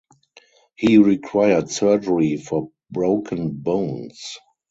He required surgery for broken bones.